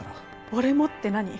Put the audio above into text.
「俺も」って何？